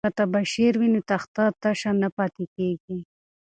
که تباشیر وي نو تخته تشه نه پاتیږي.